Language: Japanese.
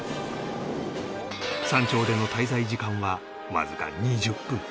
山頂での滞在時間はわずか２０分